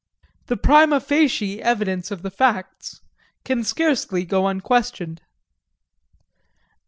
The prima facie evidence of the facts can scarcely go unquestioned.